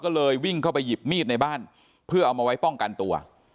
ก็เลยวิ่งเข้าไปหยิบมีดในบ้านเพื่อเอามาไว้ป้องกันตัว